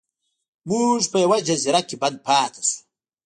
موږ په یوه جزیره کې بند پاتې شو.